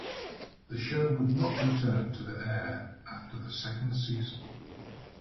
The show would not return to the air after the second season.